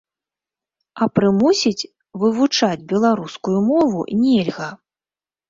А прымусіць вывучаць беларускую мову нельга.